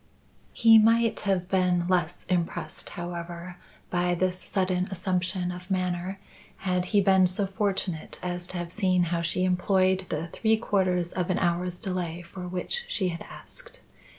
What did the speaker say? He might have been less impressed, however, by this sudden assumption of manner, had he been so fortunate as to have seen how she employed the three quarters of an hour's delay for which she had asked.